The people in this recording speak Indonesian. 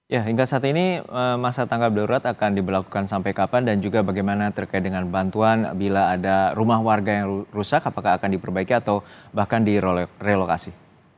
ya hingga saat ini masa tanggap darurat akan diberlakukan sampai kapan dan juga bagaimana terkait dengan bantuan bila ada rumah warga yang rusak apakah akan diperbaiki atau bahkan direlokasi